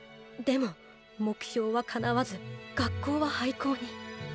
でも目標は叶わず学校は廃校に。